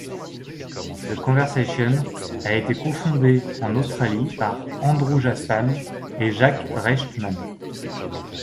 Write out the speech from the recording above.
The Conversation a été co-fondé en Australie par Andrew Jaspan et Jack Rejtman.